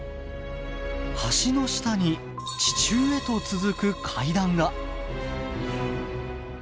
橋の下に地中へと続く階段が！